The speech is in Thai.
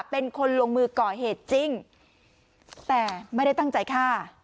เป็นคนลงมือก่อเหตุจริงแต่ไม่ได้ตั้งใจฆ่า